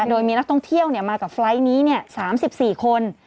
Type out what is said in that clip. โดยมีนักท่องเที่ยวมากับไฟล์ทนี้๓๔คน